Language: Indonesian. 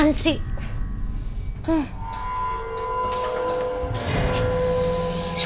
jangan se kilat ganju